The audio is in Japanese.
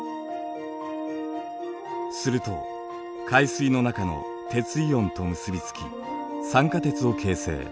すると海水の中の鉄イオンと結び付き酸化鉄を形成。